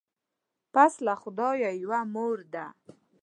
پس له خدایه یوه مور ده